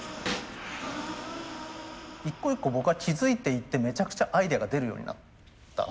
一個一個僕が気付いていってめちゃくちゃアイデアが出るようになった。